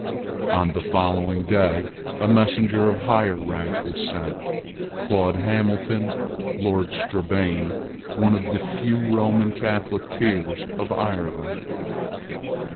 On the following day a messenger of higher rank was sent, Claude Hamilton, Lord Strabane, one of the few Roman Catholic peers of Ireland.